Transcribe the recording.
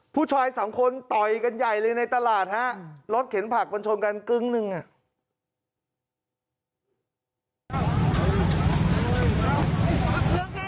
ผู้ชายสองคนต่อยกันใหญ่เลยในตลาดฮะรถเข็นผักมันชนกันกึ้งหนึ่งอ่ะ